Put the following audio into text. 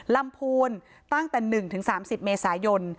ลำพูนตั้งแต่๑๓๐เมษายน